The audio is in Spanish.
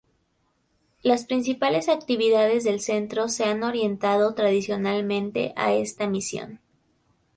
Las principales actividades del Centro se han orientado tradicionalmente a esta misión.